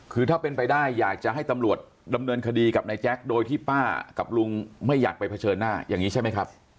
คือถ้าเป็นไปได้อยากจะให้ตำรวจดำเนินคดีกับนายแจ๊คโดยที่ป้ากับลุงไม่อยากไปเผชิญหน้าอย่างนี้ใช่ไหมครับ